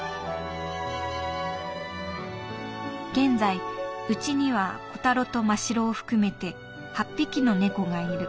「現在うちにはコタロとマシロを含めて８匹の猫がいる。